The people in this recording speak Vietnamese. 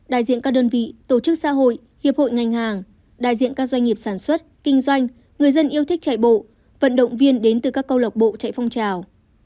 đại diện các đơn vị tổ chức xã hội hiệp hội ngành hàng đại diện các doanh nghiệp sản xuất kinh doanh người dân yêu thích chạy bộ vận động viên đến từ các câu lạc bộ chạy phong trào